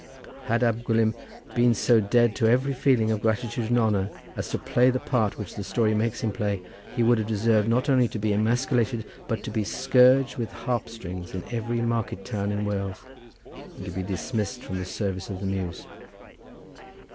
Had Ab Gwilym been so dead to every feeling of gratitude and honour as to play the part which the story makes him play, he would have deserved not only to be emasculated, but to be scourged with harp strings in every market town in Wales, and to be dismissed from the service of the Muse.